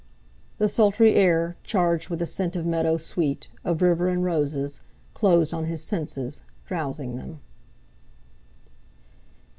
The sultry air, charged with a scent of meadow sweet, of river and roses, closed on his senses, drowsing them.